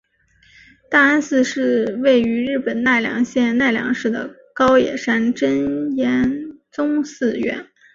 大安寺是位在日本奈良县奈良市的高野山真言宗寺院。